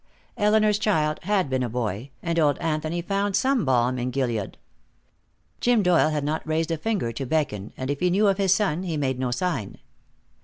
Elinor's child had been a boy, and old Anthony found some balm in Gilead. Jim Doyle had not raised a finger to beckon, and if he knew of his son, he made no sign.